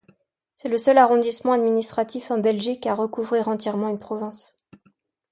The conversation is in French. C’est le seul arrondissement administratif en Belgique à recouvrir entièrement une province.